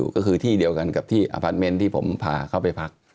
ก็คือที่เดียวกันกับที่อพาร์ทเมนต์ที่ผมพาเขาไปพัก